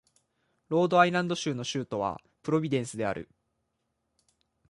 ロードアイランド州の州都はプロビデンスである